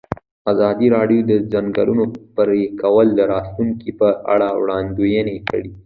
ازادي راډیو د د ځنګلونو پرېکول د راتلونکې په اړه وړاندوینې کړې.